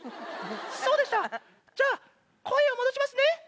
そうでしたじゃあ声を戻しますね。